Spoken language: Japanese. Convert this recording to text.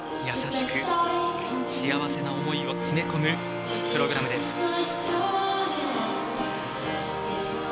優しく幸せな思いを詰め込むプログラムです。